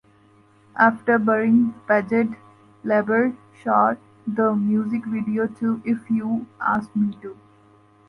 After burying Padgett, LaBelle shot the music video to "If You Asked Me To".